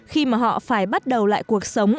khi mà họ phải bắt đầu lại cuộc sống